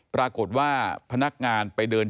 ปรากฏว่าพนักงานไปเดิน